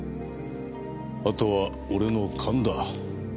あとは俺の勘だ。